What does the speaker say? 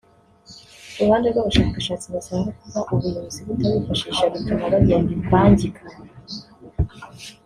Ku ruhande rw’abashakashatsi basanga kuba ubuyobozi butabifashisha bituma bagenda imbangikane